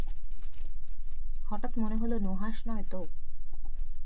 হঠাৎ মনে হল নুহাশ নয়ত?